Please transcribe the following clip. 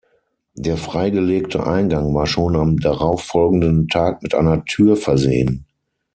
Der freigelegte Eingang war schon am darauf folgenden Tag mit einer Tür versehen.